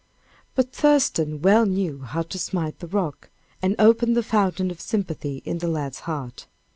But Thurston well knew how to smite the rock, and open the fountain of sympathy in the lad's heart.